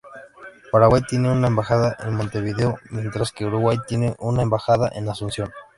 Paraguay tiene una embajada en Montevideo, mientras que Uruguay tiene una embajada en Asunción.